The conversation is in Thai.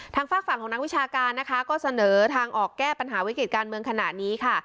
ฝากฝั่งของนักวิชาการนะคะก็เสนอทางออกแก้ปัญหาวิกฤติการเมืองขณะนี้ค่ะ